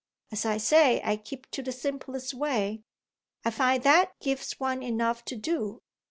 As I say, I keep to the simplest way. I find that gives one enough to do.